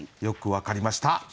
よく分かりました。